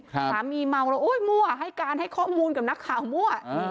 สามีเมาแล้วโอ๊ยมั่วให้การให้ข้อมูลกับนักข่าวมั่ว